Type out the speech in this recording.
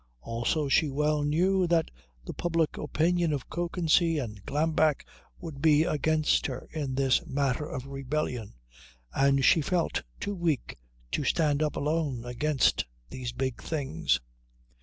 Also she well knew that the public opinion of Kökensee and Glambeck would be against her in this matter of rebellion, and she felt too weak to stand up alone against these big things.